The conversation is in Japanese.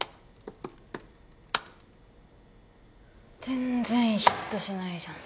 全然ヒットしないじゃん。